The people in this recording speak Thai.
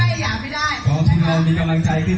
มีตะตาเช่นมากกว่านี้หยามไม่ได้